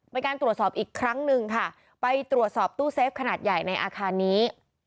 เป็นการตรวจสอบอีกครั้งหนึ่งค่ะไปตรวจสอบตู้เซฟขนาดใหญ่ในอาคารนี้